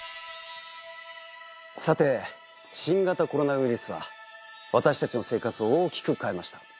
さて新型コロナウイルスは私たちの生活を大きく変えました。